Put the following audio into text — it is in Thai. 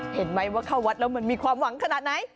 เห็นไหมว่าเข้าวัดแล้วมันมีความหวังขนาดไหน